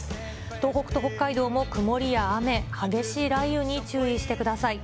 東北と北海道も曇りや雨、激しい雷雨に注意してください。